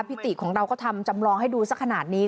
ติของเราก็ทำจำลองให้ดูสักขนาดนี้